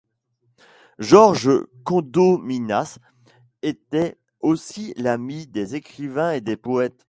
Georges Condominas était aussi l'ami des écrivains et des poètes.